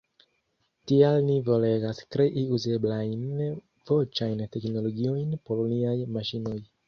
Tial ni volegas krei uzeblajn voĉajn teknologiojn por niaj maŝinoj.